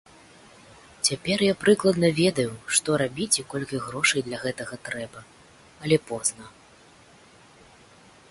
Цяпер я прыкладна ведаю, што рабіць і колькі грошай для гэтага трэба, але позна.